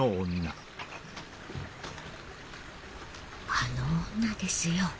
あの女ですよ。